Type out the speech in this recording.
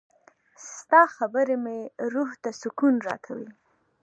• ستا خبرې مې روح ته سکون راکوي.